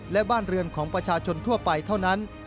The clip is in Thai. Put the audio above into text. และบ้านเรือนของประชาชนทั่วไปเท่านั้น